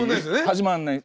始まんない。